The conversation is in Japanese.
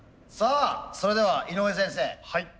さあそれでは井上先生。